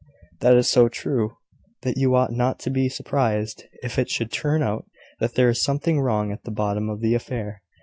"That is so true, that you ought not to be surprised if it should turn out that there is something wrong at the bottom of the affair.